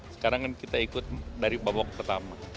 sekarang kan kita ikut dari babak pertama